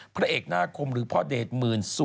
พระเอกหน้าคมหรือพ่อเดชหมื่นสุด